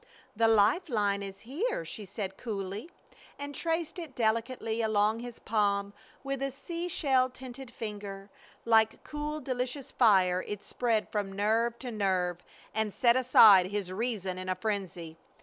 "The life line is here," she said, coolly, and traced it delicately along his palm with a sea shell tinted finger. Like cool delicious fire it spread from nerve to nerve and set aside his reason in a frenzy.